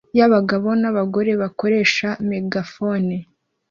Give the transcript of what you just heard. y'abagabo n'abagore bakoresha megafone